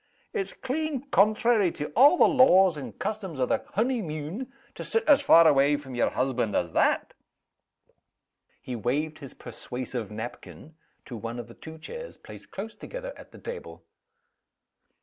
It's clean contrary to a' the laws and customs o' the honey mune, to sit as far away from your husband as that!" He waved his persuasive napkin to one of the two chairs placed close together at the table.